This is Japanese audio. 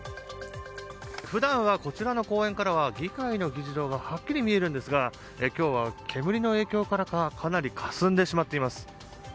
普段は、こちらの公園からは議会の議事堂がはっきり見えるんですが今日は煙の影響からかかなりかすんでしまっています。